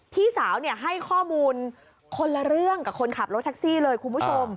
พี่สาวให้ข้อมูลคนละเรื่องกับคนขับรถแท็กซี่เลยคุณผู้ชม